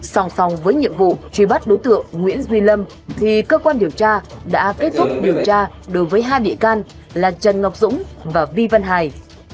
sòng song song với nhiệm vụ truy bắt đối tượng nguyễn duy lâm thì cơ quan điều tra đã kết thúc điều tra đối với hai địa can là trần ngọc dũng và vi văn hải